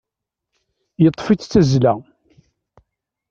Yeṭṭef-itt d tazzla.